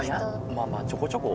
まあまあちょこちょこ。